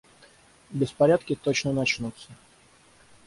Беспорядки точно начнутся.